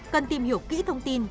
cần tìm hiểu kỹ thông tin